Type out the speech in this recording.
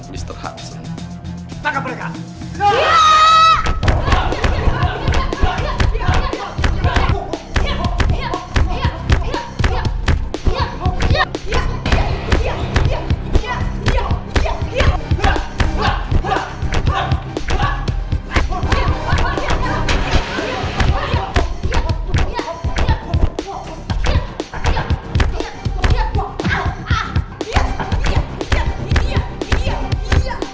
gue gak mau mati disini